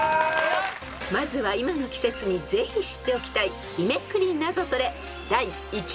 ［まずは今の季節にぜひ知っておきたい日めくりナゾトレ］